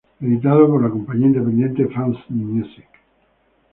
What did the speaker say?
Editado por la compañía independiente Fans n' Music.